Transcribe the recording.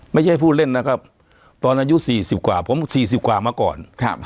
ไม่ใช่ผู้เล่นนะครับตอนอายุ๔๐กว่าผม๔๐กว่ามาก่อน